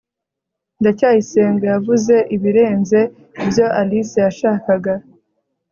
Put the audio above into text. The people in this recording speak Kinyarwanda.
ndacyayisenga yavuze ibirenze ibyo alice yashakaga